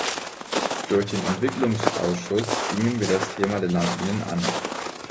Durch den Entwicklungsausschuss gingen wir das Thema der Landminen an.